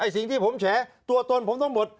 สิ่งที่ผมแฉตัวตนผมทั้งหมด